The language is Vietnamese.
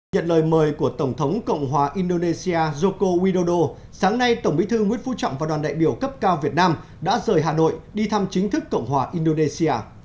nhận lời mời của tổng thống cộng hòa indonesia joko widodo sáng nay tổng bí thư nguyễn phú trọng và đoàn đại biểu cấp cao việt nam đã rời hà nội đi thăm chính thức cộng hòa indonesia